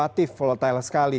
fluktuatif fluktuatif sekali